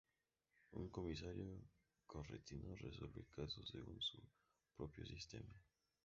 Un comisario correntino resuelve casos según su propio sistema.